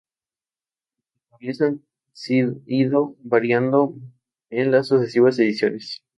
Las categorías han ido variando en las sucesivas ediciones.